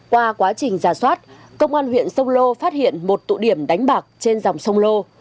qua quá trình giả soát công an huyện sông lô phát hiện một tụ điểm đánh bạc trên dòng sông lô